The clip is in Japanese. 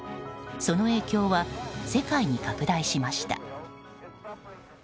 その影響は世界に拡大しました。